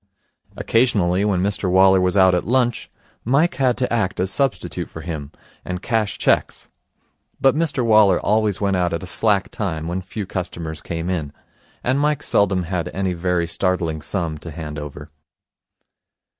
Occasionally, when Mr Waller was out at lunch, Mike had to act as substitute for him, and cash cheques; but Mr Waller always went out at a slack time, when few customers came in, and Mike seldom had any very startling sum to hand over.